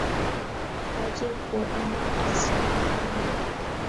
Mache kwo inendet sukul nguno.